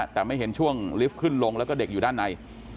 แต่ไม่เห็นช่วงลิฟต์ขึ้นลงแล้วก็เด็กอยู่ด้านใน